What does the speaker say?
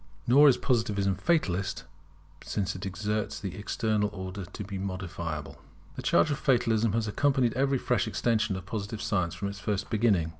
[Nor is Positivism fatalist, since it asserts the External Order to be modifiable] The charge of Fatalism has accompanied every fresh extension of Positive science, from its first beginnings.